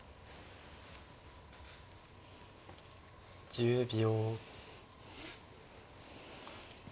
１０秒。